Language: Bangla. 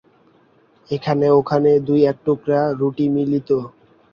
এখানে ওখানে দু-এক টুকরা রুটি মিলিত।